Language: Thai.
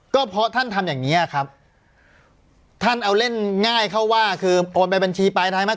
ก็เพราะท่านทำอย่างเงี้ยครับท่านเอาเล่นง่ายเข้าว่าคือโอนไปบัญชีปลายทางไหม